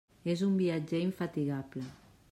És un viatger infatigable.